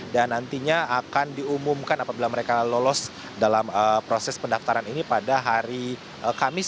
dan nantinya akan diumumkan apabila mereka lolos dalam proses pendaftaran ini pada hari kamis